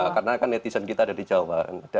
karena kan netizen kita ada di jawa